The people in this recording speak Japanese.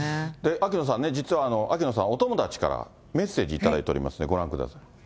秋野さんね、実は秋野さん、お友達からメッセージ頂いておりますのでご覧ください。